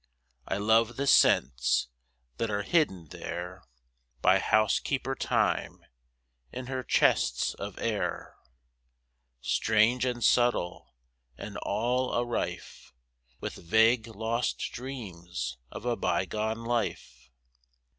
I love the scents that are hidden there By housekeeper Time, in her chests of air: Strange and subtle and all a rife, With vague lost dreams of a bygone life.